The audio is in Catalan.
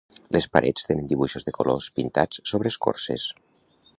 Les parets tenen dibuixos de colors pintats sobre escorces.